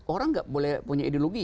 orang nggak boleh punya ideologi